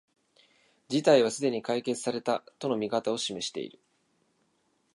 事態はすでに解決された、との見方を示している